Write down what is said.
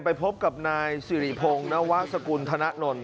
ไปพบกับนายสิริพงศ์นวะสกุลธนนท์